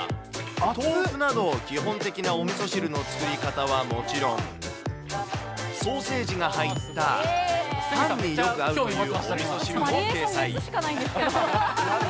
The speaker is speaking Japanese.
豆腐など基本的なおみそ汁の作り方はもちろん、ソーセージが入ったパンによく合うというおみそ汁も掲載。